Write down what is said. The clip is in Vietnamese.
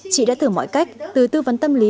chị đã thử mọi cách từ tư vấn tâm lý